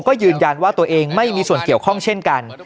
ก็ยืนยันว่าตัวเองไม่มีส่วนเกี่ยวข้องเช่นกัน